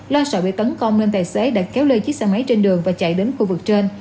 lo sợ bị tấn công nên tài xế đã kéo lên chiếc xe máy trên đường và chạy đến khu vực trên